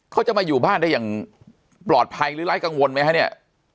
เขาจะมาอยู่บ้านได้อย่างปลอดภัยหรือไร้กังวลไหมฮะเนี่ย